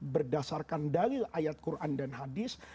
berdasarkan dalil ayat quran dan hadis